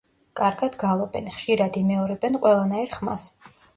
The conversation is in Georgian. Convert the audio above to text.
კარგად გალობენ, ხშირად იმეორებენ ყველანაირ ხმას.